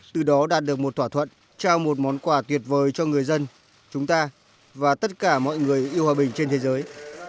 từ đó đạt được một thỏa thuận trao một món quà tuyệt vời cho người dân chúng ta và tất cả mọi người yêu hòa bình trên thế giới